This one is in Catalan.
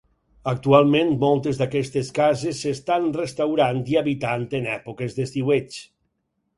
Actualment moltes d'aquestes cases s'estan restaurant i habitant en èpoques d'estiueig.